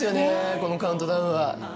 このカウントダウンは。